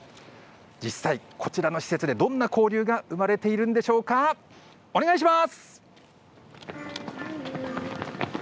実際こちらの施設でどんな交流が生まれているんでしょうか、お願いします。